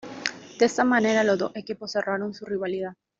De esta manera los dos equipos cerraron su rivalidad.